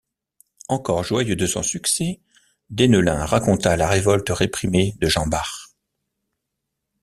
Encore joyeux de son succès, Deneulin raconta la révolte réprimée de Jean-Bart.